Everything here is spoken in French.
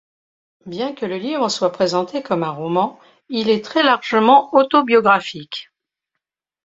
Bien que le livre soit présenté comme un roman, il est très largement autobiographique.